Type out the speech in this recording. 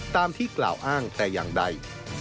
ตามที่กล่าวอ้างแต่อย่างใด